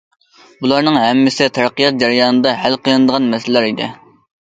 بۇلارنىڭ ھەممىسى تەرەققىيات جەريانىدا ھەل قىلىنىدىغان مەسىلىلەر ئىدى.